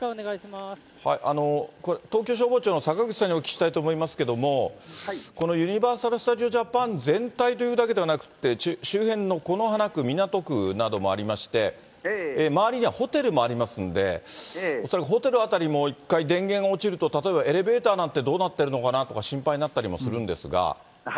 東京消防庁の坂口さんにお聞きしたいと思いますけれども、このユニバーサル・スタジオ・ジャパン全体というだけではなくて、周辺の此花区、港区などもありまして、周りにはホテルもありますんで、恐らくホテル辺りも一回電源が落ちると例えばエレベーターなんてどうなってるのかなとか、心配になったりもするんですが。